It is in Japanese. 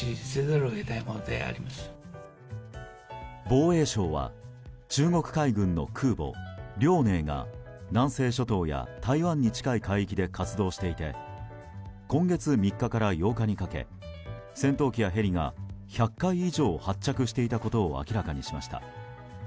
防衛省は中国海軍の空母「遼寧」が南西諸島や台湾に近い海域で活動していて今月３日から８日にかけ戦闘機やヘリが１００回以上発着していたことを明らかにしました。